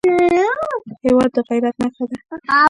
هېواد د غیرت نښه ده.